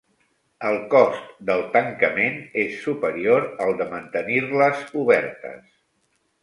El cost del tancament és superior al de mantenir-les obertes